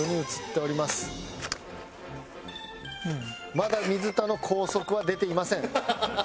まだ水田の高速は出ていません。